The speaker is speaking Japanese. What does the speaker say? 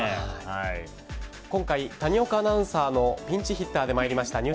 今回、谷岡アナウンサーのピンチヒッターで参りました